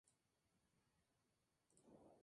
La sede del condado y mayor ciudad es Nevada City.